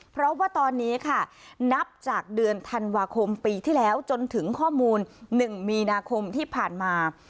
เพราะว่าตอนนี้ค่ะนับจากเดือนธันวาคมปีที่แล้วจนถึงข้อมูล๑มีนาคมที่ผ่านมา